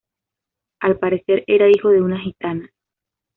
Al parecer era hijo de una gitana.